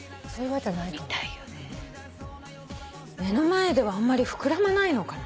目の前ではあんまり膨らまないのかな？